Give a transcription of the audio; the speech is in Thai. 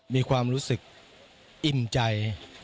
มีความรู้สึกอิ่มใจ